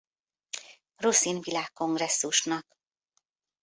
Ruszin Világkongresszusnak.